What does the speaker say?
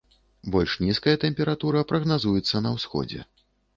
Больш нізкая тэмпература прагназуецца на ўсходзе.